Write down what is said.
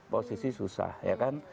posisi susah ya kan